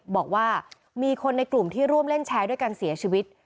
บอกว่ามีคนในกลุ่มที่ร่วมเล่นแชร์ด้วยกันเสียชีวิต